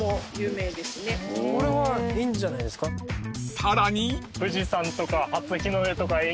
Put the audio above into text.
［さらに］